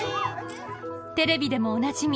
テレビでもおなじみ